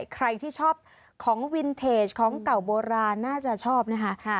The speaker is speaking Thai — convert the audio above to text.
ใครที่ชอบของวินเทจของเก่าโบราณน่าจะชอบนะคะ